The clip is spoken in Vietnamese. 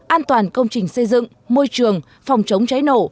an toàn công trình xây dựng môi trường phòng chống cháy nổ